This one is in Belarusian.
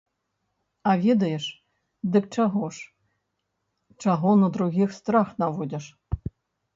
А ведаеш, дык чаго ж, чаго на другіх страх наводзіш?